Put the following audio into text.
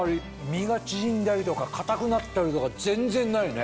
身が縮んだりとか硬くなったりとか全然ないね。